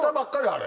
あれ。